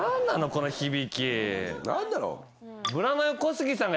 この響き。